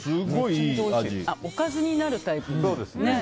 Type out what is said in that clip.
おかずになるタイプの。